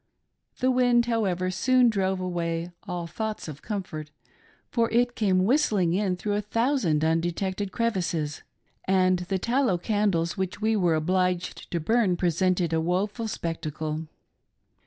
The wind, however, soon , drove away all thoughts of comfort, fdr it came whistling in through a thousand undetec ted crevices, and the tallow candles which we were obliged to burn presented a woful spectacle.